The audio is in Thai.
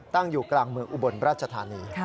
ตั้งอยู่กลางเมืองอุบลราชธานี